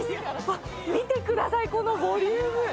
あっ、見てください、このボリューム。